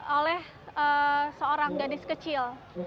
oleh seorang gadis kecil